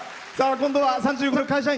今度は３５歳の会社員。